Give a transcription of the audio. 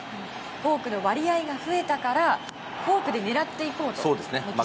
フォークの割合が増えたからフォークを狙っていこうとメキシコは。